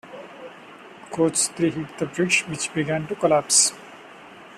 Coach three hit the bridge, which began to collapse.